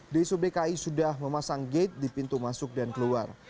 dsubki sudah memasang gate di pintu masuk dan keluar